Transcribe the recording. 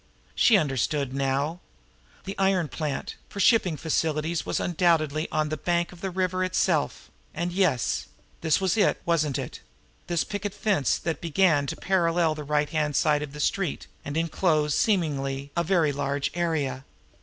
She understood now. The iron plant, for shipping facilities, was undoubtedly on the bank of the river itself, and yes, this was it, wasn't it? this picket fence that began to parallel the right hand side of the street, and enclose, seemingly, a very large area.